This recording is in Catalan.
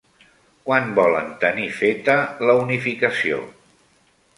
Quan volen tenir feta la unificació?